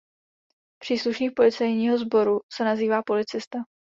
Příslušník policejního sboru se nazývá policista.